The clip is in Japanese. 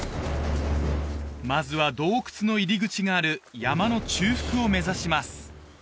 まずは洞窟の入り口がある山の中腹を目指します